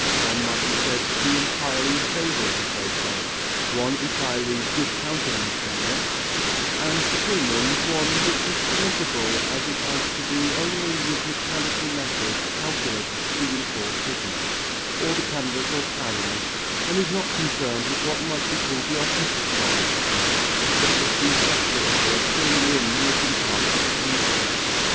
One might be said to be entirely in favour of the process, one entirely discountenancing it, and between them one which is permissible as it has to do only with mechanical methods calculated to reinforce pigment, or the canvas or panel, and is not concerned with what might be called the artistic side of the art, such as retouching or filling in the missing parts of a painting.